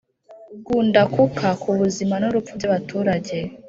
Gundakuka ku buzima n urupfu by abaturage